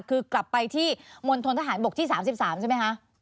คือกลับไปที่มณฑนทหารบกที่๓๓ใช่ไหมคะ